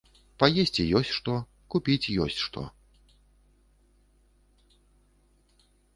Паесці ёсць што, купіць ёсць што.